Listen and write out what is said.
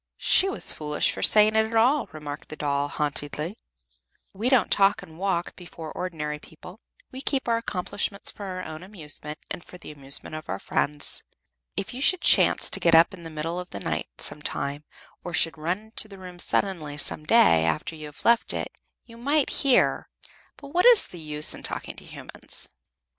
"She was foolish for saying it at all," remarked the doll, haughtily. "We don't talk and walk before ordinary people; we keep our accomplishments for our own amusement, and for the amusement of our friends. If you should chance to get up in the middle of the night, some time, or should run into the room suddenly some day, after you have left it, you might hear but what is the use of talking to human beings?"